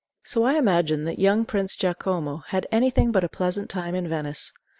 So I imagine that young Prince Giacomo had any thing but a pleasant time in Venice.